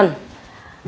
satu dua tiga